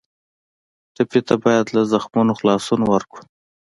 ټپي ته باید له زخمونو خلاصون ورکړو.